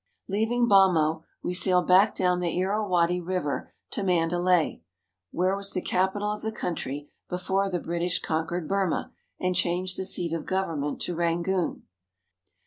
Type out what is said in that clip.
Leaving Bhamo, we sail back down the Irawadi River to Mandalay, where was the capital of the country before the British conquered Burma and changed the seat of govern ment to Rangoon.